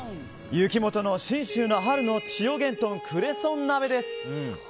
柚木元の信州の春の千代幻豚クレソン鍋です。